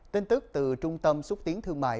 tin tức từ trung tâm xuất tiến thương mại